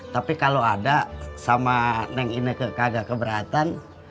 tapi kalau ada sama neng ineke kagak keberatan